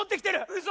うそ！